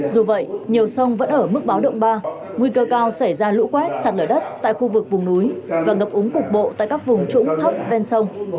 dù vậy nhiều sông vẫn ở mức báo động ba nguy cơ cao xảy ra lũ quét sạt lở đất tại khu vực vùng núi và ngập úng cục bộ tại các vùng trũng thấp ven sông